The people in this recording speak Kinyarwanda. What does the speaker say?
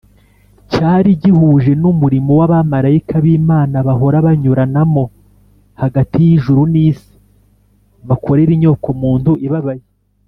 . Cyari gihuje n’umurimo w’abamarayika b’Imana bahora banyuranamo hagati y’ijuru n’isi bakorera inyokomuntu ibabaye.